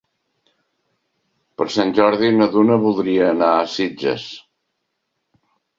Per Sant Jordi na Duna voldria anar a Sitges.